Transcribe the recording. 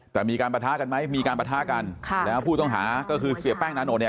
แต่มีการประทะกันไหมมีการประทะกันค่ะแล้วผู้ต้องหาก็คือเสียแป้งนาโนทเนี่ย